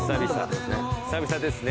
久々ですね